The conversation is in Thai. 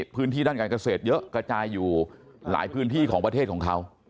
พื้นที่ด้านการเกษตรเยอะกระจายอยู่หลายพื้นที่ของประเทศของเขา